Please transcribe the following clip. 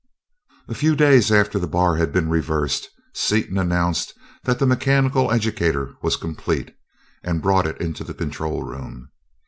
A few days after the bar had been reversed Seaton announced that the mechanical educator was complete, and brought it into the control room.